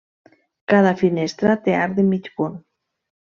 Cada finestra té arc de mig punt.